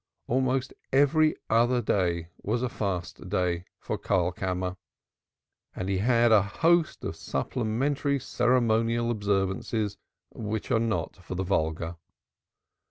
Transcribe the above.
Almost every other day was a fast day for Karlkammer, and he had a host of supplementary ceremonial observances which are not for the vulgar.